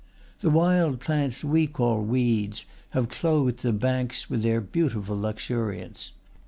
The wild plants we call weeds have clothed the bank with their beautiful luxuriance.